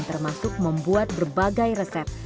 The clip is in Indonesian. termasuk membuat berbagai resep